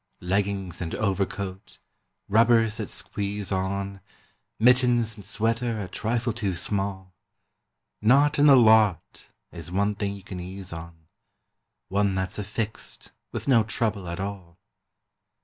Leggings and overcoat, rubbers that squeeze on, Mittens and sweater a trifle too small; Not in the lot is one thing you can ease on, One that's affixed with no trouble at all.